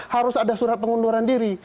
harus ada surat pengunduran diri